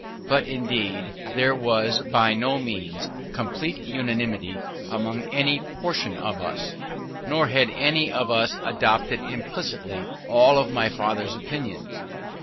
But indeed there was by no means complete unanimity among any portion of us, nor had any of us adopted implicitly all my father's opinions.